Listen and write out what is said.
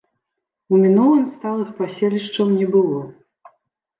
У мінулым сталых паселішчаў не было.